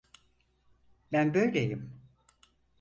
Ben böyleyim.